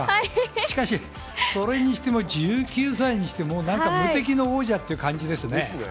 しかし、それにしても１９歳にして無敵の王者という感じですね。